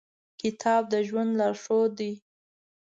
کتاب د ژوند لارښود دی.